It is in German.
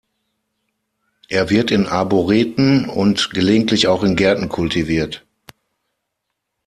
Er wird in Arboreten und gelegentlich auch in Gärten kultiviert.